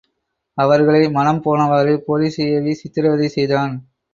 அவர்களை மனம் போனவாறு போலீசை ஏவி சித்ரவதை செய்தான்!